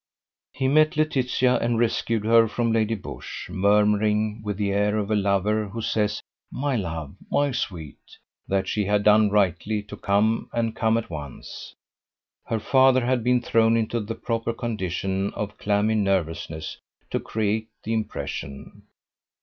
He met Laetitia and rescued her from Lady Busshe, murmuring, with the air of a lover who says, "my love! my sweet!" that she had done rightly to come and come at once. Her father had been thrown into the proper condition of clammy nervousness to create the impression.